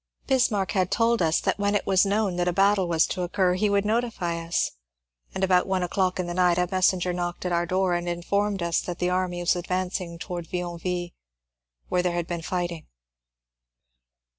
Bismarck had told us that when it was known that a battle was to occur he would notify us, and about one o'clock in the night a messenger knocked at our door and informed us that the army was ad vancing towards Yionville, where there had been fighting.